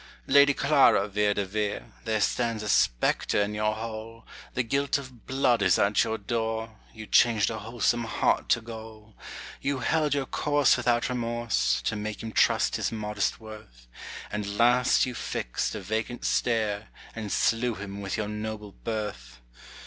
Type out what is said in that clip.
Lady Clara Vere de Vere, There stands a spectre in your hall: The guilt of blood is at your door: You changed a wholesome heart to gall. You held your course without remorse, To make him trust his modest worth, And, last, you fixed a vacant stare, And slew him with your noble birth.